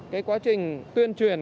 cái quá trình tuyên truyền